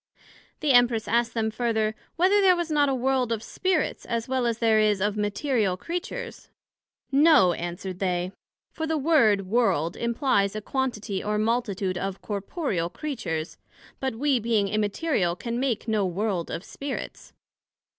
The Empress asked them further, Whether there was not a World of Spirits, as well as there is of Material Creatures? No, answered they; for the word World implies a quantity or multitude of corporeal Creatures, but we being Immaterial, can make no World of Spirits.